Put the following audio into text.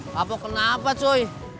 kapok kenapa cuy